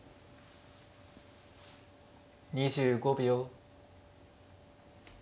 ２５秒。